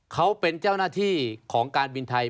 เขาเป็นเจ้าหน้าที่ของการบินไทย